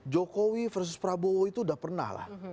jokowi versus prabowo itu udah pernah lah